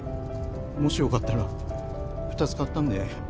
もしよかったら２つ買ったんで。